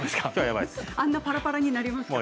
あんなパラパラになりますか？